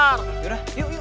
yaudah yuk yuk